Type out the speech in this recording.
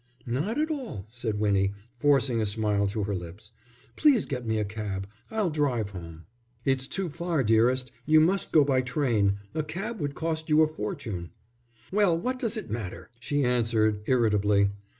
"Not at all," said Winnie, forcing a smile to her lips. "Please get me a cab; I'll drive home." "It's too far, dearest; you must go by train. A cab would cost you a fortune." "Well, what does it matter?" she answered, irritably.